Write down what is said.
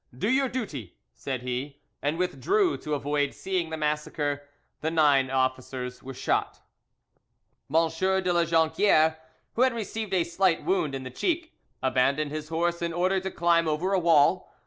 "Do your duty," said he, and withdrew, to avoid seeing the massacre. The nine officers were shot. M. de La Jonquiere, who had received a slight wound in the cheek, abandoned his horse in order to climb over a wall.